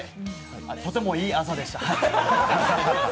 とてもいい朝でした。